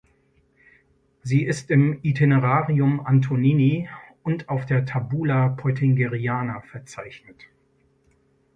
Sie ist im Itinerarium Antonini und auf der Tabula Peutingeriana verzeichnet.